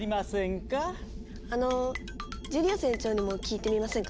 あのジュリオ船長にも聞いてみませんか？